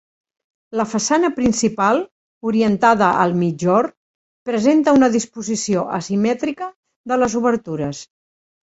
La façana principal, orientada al migjorn, presenta una disposició asimètrica de les obertures.